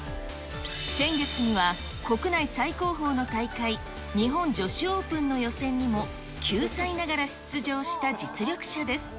先月には国内最高峰の大会、日本女子オープンの予選にも９歳ながら出場した実力者です。